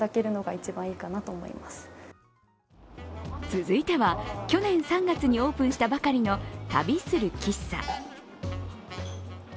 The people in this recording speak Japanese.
続いては、去年３月にオープンしたばかりの、旅する喫茶。